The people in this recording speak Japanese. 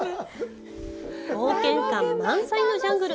冒険感満載のジャングル！